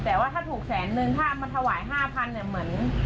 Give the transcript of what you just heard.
แต่ว่าถ้าถูกแสนนึงถ้ามาถวายห้าพันเนี่ย